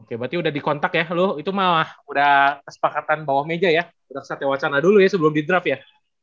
oke berarti udah dikontak ya lu itu malah udah kesepakatan bawah meja ya udah keset ya wacana dulu ya sebelum di draft ya